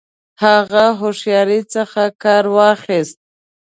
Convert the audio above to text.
هغه هوښیاري څخه کار واخیست.